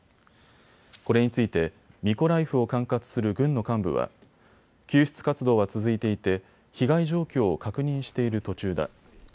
これについてミコライフを管轄する軍の幹部は救出活動は続いていて被害状況を確認している途中だ。